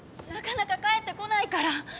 なかなか帰ってこないから。